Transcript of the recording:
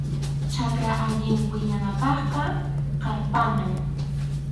Chakra allin wiñananpaqqa qarpanam.